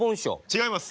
違います。